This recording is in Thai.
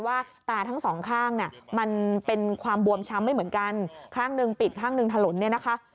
ว่าตาทั้งสองข้างเนี่ยมันเป็นความบวมช้ำไม่เหมือนกันข้างหนึ่งปิดข้างหนึ่งถนนเนี่ยนะคะ